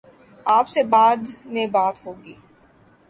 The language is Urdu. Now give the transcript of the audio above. آپ سے بعد میں بات ہو گی۔